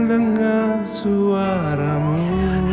rena sehat kan